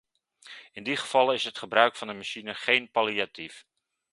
In die gevallen is het gebruik van de machine geen palliatief.